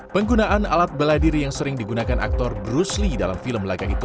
penggunaan alat bela diri yang sering digunakan aktor bruce lee dalam film laga itu